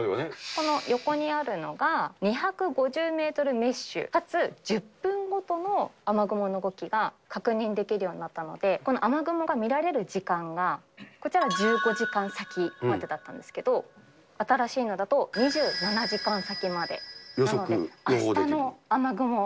この横にあるのが、２５０メートルメッシュ、かつ１０分ごとの雨雲の動きが確認できるようになったので、この雨雲が見られる時間が、こちら１５時間先までだったんですけど、新しいのだと２７時間先まで。